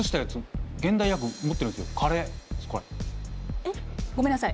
えっごめんなさい